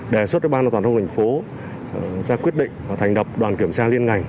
đề xuất cho bang an toàn giao thông thành phố ra quyết định và thành đập đoàn kiểm tra liên ngành